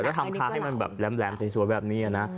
แล้วทำค้าให้มันแบบแหลมสวยแบบนี้นะ